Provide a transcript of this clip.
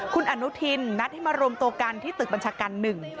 คุณอนุทินนัดให้มารวมตัวกันที่ตึกบัญชาการหนึ่ง